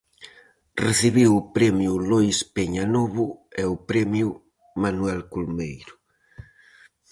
Recibiu o Premio Lois Peña Novo e o Premio Manuel Colmeiro.